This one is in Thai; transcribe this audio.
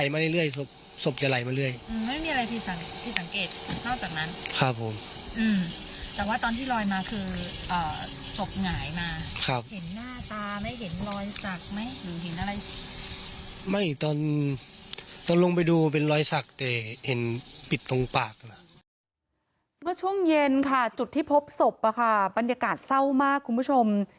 เมื่อช่วงเย็นค่ะจุดที่พบศพบรรยากาศเศร้ามากคุณผู้ชม